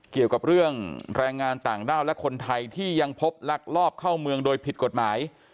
เกี่ยวกับเรื่องแรงงานต่างด้าวและคนไทยที่ยังพบลักลอบเข้าเมืองโดยผิดกฎหมาย